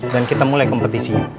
dan kita mulai kompetisinya